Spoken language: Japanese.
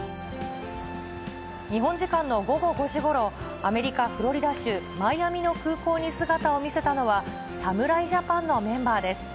日本時間の午後５時ごろ、アメリカ・フロリダ州マイアミの空港に姿を見せたのは、侍ジャパンのメンバーです。